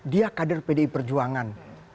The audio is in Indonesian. dia kader pdi perjuangan